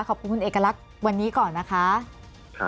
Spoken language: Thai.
ขอบคุณคุณเอกลักษณ์วันนี้ก่อนนะคะ